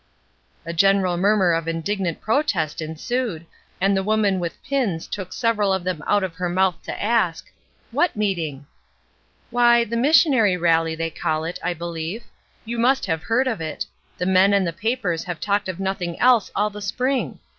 A general murmur of indignant protest en sued, and the woman with pins took several of them out of her mouth to ask, " What meeting ?" "Why, the Missionary Rally, they call it, I believe. You must have heard of it ; the men and the papers have talked of nothing else all the spring.